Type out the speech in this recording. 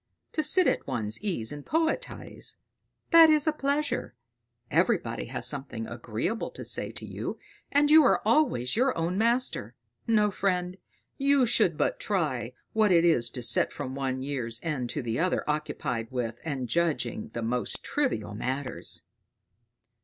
To sit at one's ease and poetise that is a pleasure; everybody has something agreeable to say to you, and you are always your own master. No, friend, you should but try what it is to sit from one year's end to the other occupied with and judging the most trivial matters."